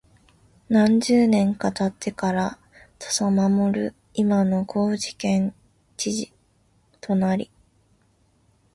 何十年か経ってから土佐守（いまの高知県知事）となり、